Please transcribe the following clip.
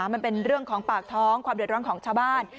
มันเป็นเรื่องของปากท้องความเดือดร้อนของชาวบ้าน